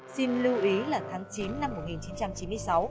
xin lưu ý là tháng chín năm một nghìn chín trăm chín mươi sáu